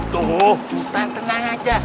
aduhh sultan tenang aja